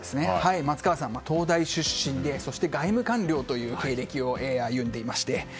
松川さん、東大出身で外務官僚という経歴を歩んでいまして。